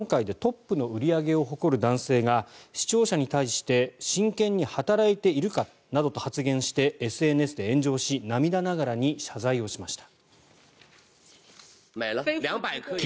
口紅王子として知られる中国の通販界でトップの売り上げを誇る男性が視聴者に対して真剣に働いているかなどと発言してＳＮＳで炎上し涙ながらに謝罪をしました。